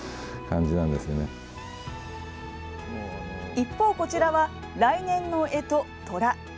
一方、こちらは来年のえと、とら。